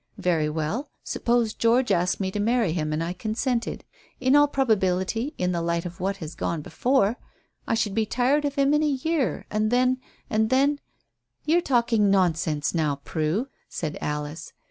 "Very well; suppose George asked me to marry him and I consented. In all probability, in the light of what has gone before, I should be tired of him in a year, and then and then " "You're talking nonsense now, Prue," said Alice.